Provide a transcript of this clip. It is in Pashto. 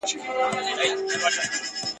چي تړلي مدرسې وي د پنجاب د واسکټونو !.